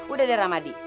udah deh ramadi